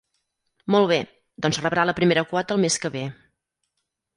Molt bé, doncs rebrà la primera quota el mes que vé.